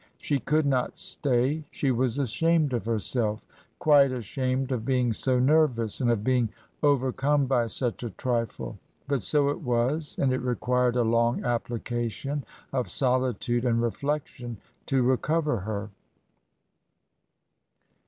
She could not stay. ... She was ashamed of herself, quite ashamed of being so nervous, and of being over come by such a trifle; but so it was, and it required a long application of solitude and reflection to recover her.